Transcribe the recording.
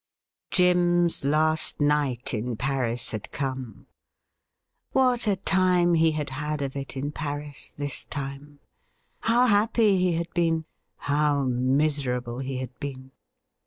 Jim's last night in Paris had come. What a time he had' had of it in Paris — this time ! How happy he had been ^how miserable he had been